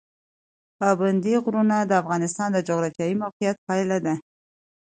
پابندی غرونه د افغانستان د جغرافیایي موقیعت پایله ده.